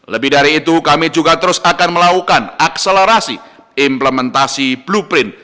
lebih dari itu kami juga terus akan melakukan akselerasi implementasi blueprint